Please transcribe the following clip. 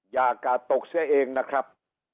อย่ากาดตกเสียเองนะครับ